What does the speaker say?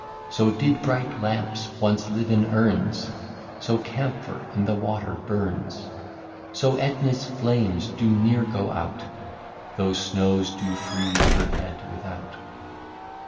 So did bright Lamps once live in Urns, So Camphire in the water burns, So Ætna's Flames do ne'er go out, Though Snows do freeze her head without.'